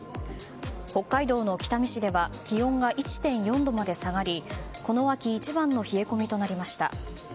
北海道の北見市では気温が１．４度まで下がりこの秋一番の冷え込みとなりました。